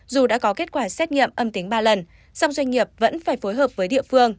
dù đã có kết quả xét nghiệm âm tính ba lần song doanh nghiệp vẫn phải phối hợp với địa phương